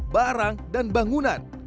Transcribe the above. barang dan bangunan